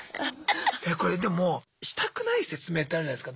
これでもしたくない説明ってあるじゃないすか。